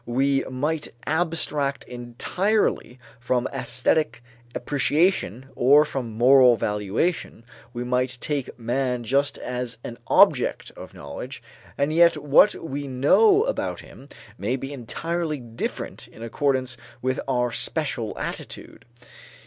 We might abstract entirely from æsthetic appreciation or from moral valuation, we might take man just as an object of knowledge; and yet what we know about him may be entirely different in accordance with our special attitude.